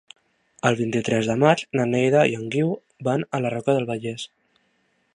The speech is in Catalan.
El vint-i-tres de maig na Neida i en Guiu van a la Roca del Vallès.